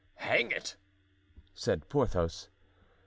hang it!" said Porthos.